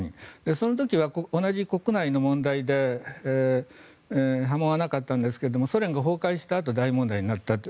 その時は同じ国内の問題で波紋はなかったんですがソ連が崩壊したあと大問題になったと。